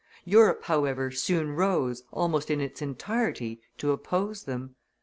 Europe, however, soon rose, almost in its entirety, to oppose them.